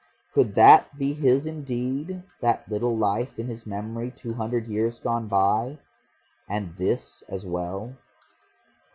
Could that be his indeed, that little life in his memory two hundred years gone by and this as well?